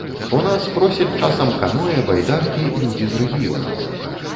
У нас просяць часам каноэ, байдаркі людзі з рэгіёнаў.